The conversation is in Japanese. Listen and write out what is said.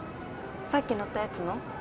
さっき乗ったやつの？